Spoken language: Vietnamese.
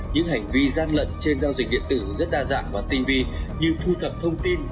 những hành vi gian lận trên giao dịch điện tử rất đa dạng và tinh vi như thu thập thông tin